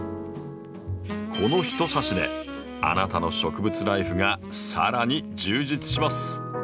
このひと挿しであなたの植物ライフが更に充実します。